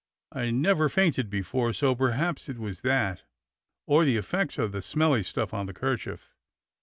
I've never fainted before, so perhaps it was that, or the effects of the smelly stuff on the 'kerchief.